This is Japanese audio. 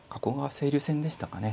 青流戦でしたかね